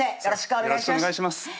よろしくお願いします